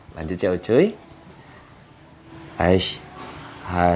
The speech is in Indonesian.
lanjut ya cucu